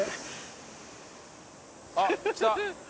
あっ来た！